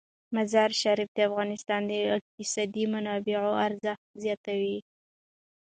مزارشریف د افغانستان د اقتصادي منابعو ارزښت زیاتوي.